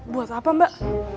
buat apa mbak